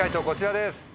こちらです。